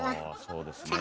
そうですね。